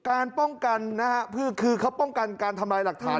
การป้องกันนะฮะคือเขาป้องกันการทำลายหลักฐาน